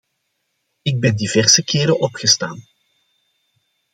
Ik ben diverse keren opgestaan.